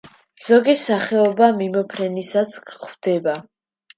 ზოგი სახეობა მიმოფრენისას გვხვდება.